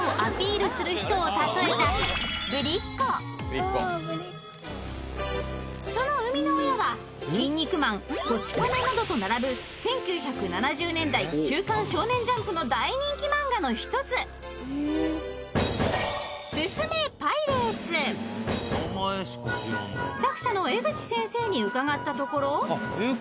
続いてはする人をたとえたその生みの親は『キン肉マン』『こち亀』などと並ぶ１９７０年代『週刊少年ジャンプ』の大人気漫画の１つ作者の江口先生に伺ったところ